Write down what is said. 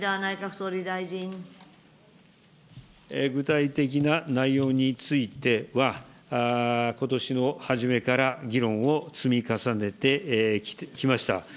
具体的な内容については、ことしの初めから議論を積み重ねてきました。